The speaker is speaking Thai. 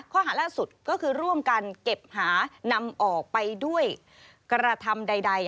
ข้อหาล่าสุดก็คือร่วมกันเก็บหานำออกไปด้วยกระทำใด